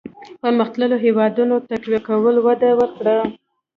پرمختلليو هېوادونو تقويه کولو وده ورکړه.